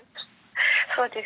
そうです。